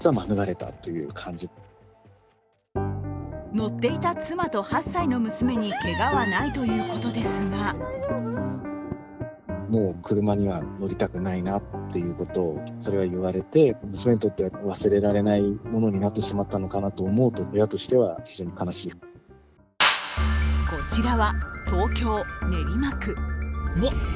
乗っていた妻と８歳の娘にけがはないということですがこちらは東京・練馬区。